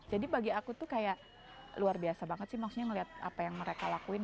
jadi bagi aku tuh kayak luar biasa banget sih maksudnya ngeliat apa yang mereka lakuin